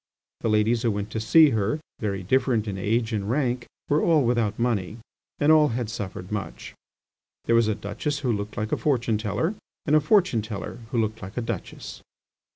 The ladies who went to see her, very different in age and rank, were all without money, and had all suffered much. There was a duchess who looked like a fortune teller and a fortune teller who looked like a duchess.